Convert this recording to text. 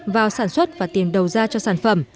vào sản xuất và tiền đầu ra cho sản phẩm